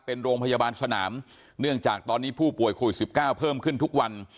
เป็นโรงพยาบาลสนามเนื่องจากตอนนี้ผู้ป่วยโควิด๑๙เพิ่มขึ้นทุกวัน